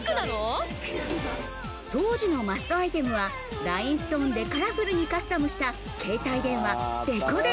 当時のマストアイテムは、ラインスト―ンでカラフルにカスタムした携帯電話デコ電。